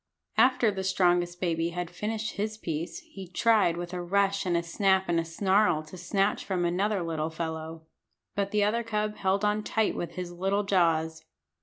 After the strongest baby had finished his piece he tried with a rush and a snap and a snarl to snatch from another little fellow. But the other cub held on tight with his little jaws.